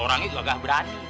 orangnya itu agak berani